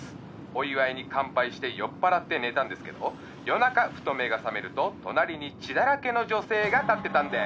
お祝いに乾杯して酔っぱらって寝たんですけど夜中ふと目が覚めると隣に血だらけの女性が立ってたんです。